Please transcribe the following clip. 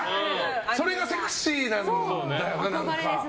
それがセクシーなんだよな、何か。